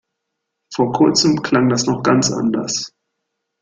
Vor kurzem klang das noch ganz anders.